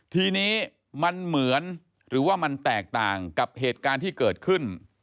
ทีนี้มันเหมือนหรือว่ามันแตกต่างกับเหตุการณ์ที่เกิดขึ้น